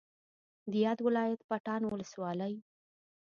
د یاد ولایت پټان ولسوالۍ